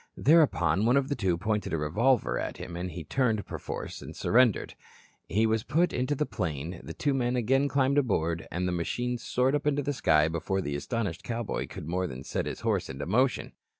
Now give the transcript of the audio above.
Thereupon, one of the two pointed a revolver at him and he turned, perforce, and surrendered. He was put into the airplane, the two men again climbed aboard, and the machine soared up into the sky before the astonished cowboy could more than set his horse in motion.